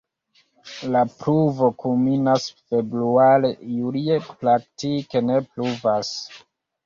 La pluvo kulminas februare, julie praktike ne pluvas.